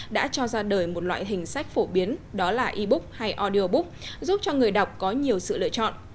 đã cho ra đời một loại hình sách phổ biến đó là e book hay ordio book giúp cho người đọc có nhiều sự lựa chọn